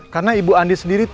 karena ibu andi sendiri